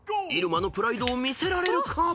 ［入間のプライドを見せられるか］